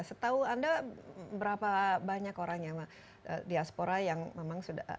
setahu anda berapa banyak orang yang diaspora yang memang sudah